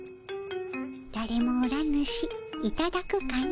だれもおらぬしいただくかの。